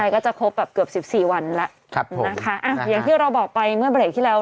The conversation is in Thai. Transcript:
ใช่ก็จะครบแบบเกือบ๑๔วันแล้วอย่างที่เราบอกไปเมื่อเบรกที่แล้ว